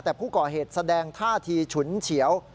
แต่ผู้ก่อเหตุแสดงท่าทีฉุนเฉียว